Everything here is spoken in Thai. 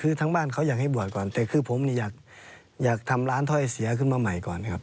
คือทั้งบ้านเขาอยากให้บวชก่อนแต่คือผมนี่อยากทำร้านถ้อยเสียขึ้นมาใหม่ก่อนครับ